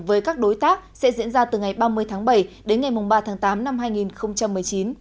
với các đối tác sẽ diễn ra từ ngày ba mươi tháng bảy đến ngày ba tháng tám năm hai nghìn một mươi chín